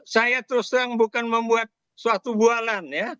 saya terus terang bukan membuat suatu bualan ya